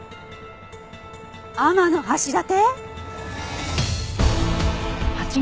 天橋立！？